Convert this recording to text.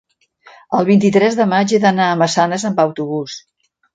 el vint-i-tres de maig he d'anar a Massanes amb autobús.